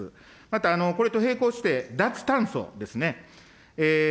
また、これと並行して脱炭素ですね。